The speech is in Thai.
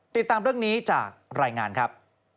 ติดตามยังงี้จากรายงานครับ